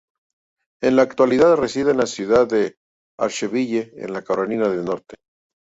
En la actualidad reside en la ciudad de Asheville en Carolina del Norte.